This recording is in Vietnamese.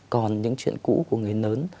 còn những chuyện cũ của người lớn